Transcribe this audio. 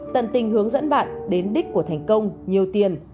tận tình hướng dẫn bạn đến đích của thành công nhiều tiền